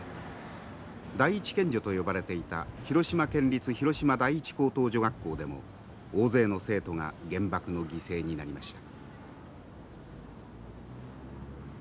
第一県女と呼ばれていた広島県立広島第一高等女学校でも大勢の生徒が原爆の犠牲になりました。